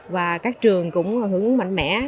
và các trường cũng hướng mạnh mẽ